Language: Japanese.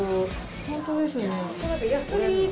本当ですね。